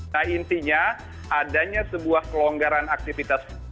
nah intinya adanya sebuah kelonggaran aktivitas